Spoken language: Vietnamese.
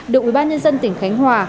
được ủy ban nhân dân tỉnh khánh hòa